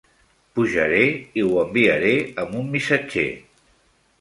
Pujaré i ho enviaré amb un missatger.